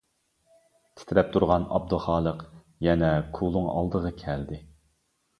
تىترەپ تۇرغان ئابدۇخالىق يەنە كۇلۇڭ ئالدىغا كەلدى.